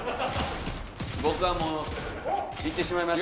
僕はもういってしまいました。